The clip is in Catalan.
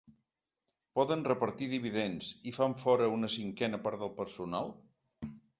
Poden repartir dividends i fan fora una cinquena part del personal?